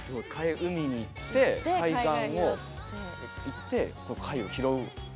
海に行って海岸行って貝を拾う。